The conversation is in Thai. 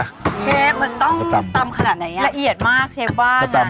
เชฟมันต้องตำขนาดไหนละ